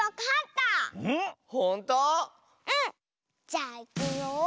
じゃあいくよ。